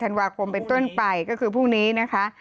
ธันวาคมเป็นต้นไปก็คือพรุ่งนี้นะคะ